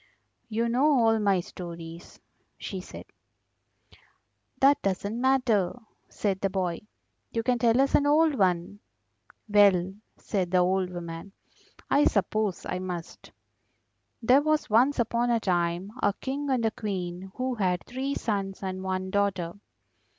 "You know all my stories," she said. "That doesn't matter," said the boy. "You can tell us an old one." "Well," said the old woman, "I suppose I must. There was once upon a time a King and a Queen who had three sons and one daughter."